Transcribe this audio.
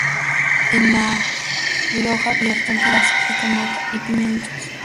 En La Rioja vierten pedazos de tomate y pimientos.